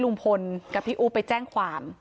ลุงพลกับพี่อุ๊บไปแจ้งความ